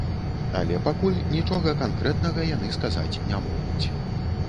Але пакуль нічога канкрэтнага яны сказаць не могуць.